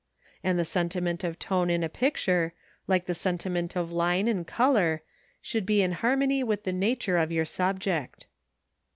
And the sentiment of tone in a picture, like the sentiment of line and colour, should be in harmony with the nature of your subject.